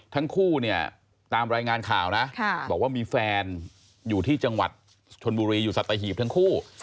ทั้งคู่เนี่ยตามรายงานข่าวนะบอกว่ามีแฟนอยู่ที่จังหวัดชนบุรีอยู่สัตหีบทั้งคู่